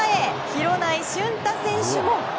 廣内駿汰選手も。